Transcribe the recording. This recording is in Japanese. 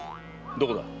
どこだ？